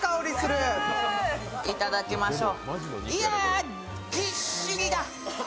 いただきましょう。